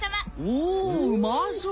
おうまそう！